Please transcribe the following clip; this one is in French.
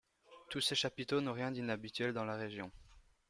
Tous ces chapiteaux n'ont rien d'inhabituel dans la région.